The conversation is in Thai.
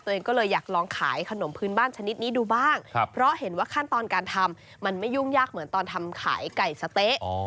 ตัวเองก็เลยอยากลองขายขนมพื้นบ้านชนิดนี้ดูบ้างเพราะเห็นว่าขั้นตอนการทำมันไม่ยุ่งยากเหมือนตอนทำขายไก่สะเต๊ะ